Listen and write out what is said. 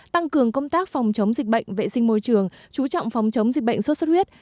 tăng cường công tác phòng chống dịch bệnh vệ sinh môi trường chú trọng phòng chống dịch bệnh sốt xuất huyết